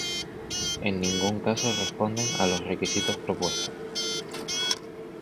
En ningún caso responden a los requisitos propuestos.